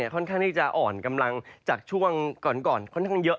ค่อนข้างที่จะอ่อนกำลังจากช่วงก่อนค่อนข้างเยอะ